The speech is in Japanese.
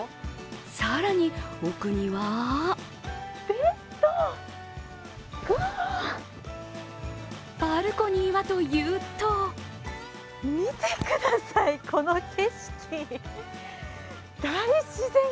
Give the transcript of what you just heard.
更に、奥にはバルコニーはというと見てください、この景色。